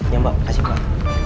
ya mbak kasih mbak